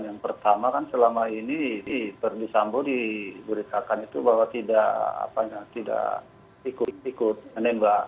yang pertama kan selama ini verdi sambo diberitakan itu bahwa tidak ikut ikut menembak